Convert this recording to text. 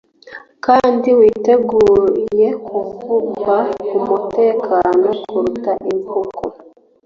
Kandi witeguye nukuvuga umutekano kuruta imvugo